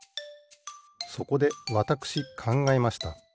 そこでわたくしかんがえました。